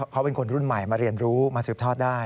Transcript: เขาเป็นคนรุ่นใหม่มาเรียนรู้มาสืบทอดได้